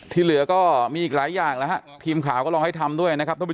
ทีเหลือก็มีหลายอย่างละฮะทีมข่าวก็ตามด้วยนะครับทุกผู้